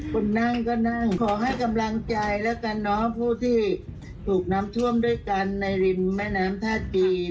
คนนั่งก็นั่งขอให้กำลังใจแล้วกันน้องผู้ที่ถูกน้ำท่วมด้วยกันในริมแม่น้ำท่าจีน